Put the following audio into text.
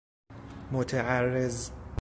متعرض